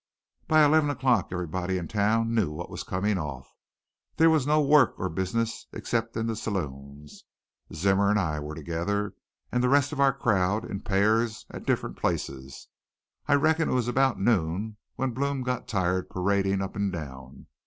"By eleven o'clock everybody in town knew what was coming off. There was no work or business, except in the saloons. Zimmer and I were together, and the rest of our crowd in pairs at different places. I reckon it was about noon when Blome got tired parading up and down.